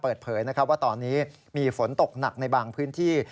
เปิดเผยว่าตอนนี้มีฝนตกหนักในบางพื้นที่